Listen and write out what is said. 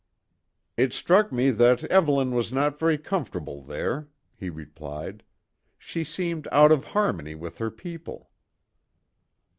"It struck me that Evelyn was not very comfortable there," he replied. "She seemed out of harmony with her people."